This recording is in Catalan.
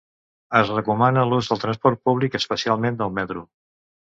Es recomana l’ús del transport públic, especialment del metro.